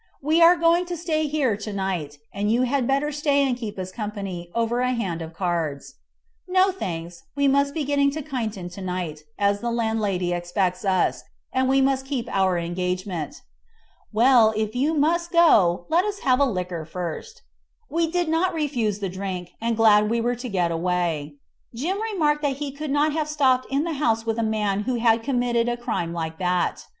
We are going to stay here to night, and you had better stay and keep us company over a hand of cards." "No thanks; we must get to Kyneton to night, as the landlady expects us, and we must keep our engagement." "Well, if you must go, let us have a liquor first." We did not refuse the drink, and glad we were to get away. Jim remarked that he could not have stopped in the house with a man who had committed a crime like that.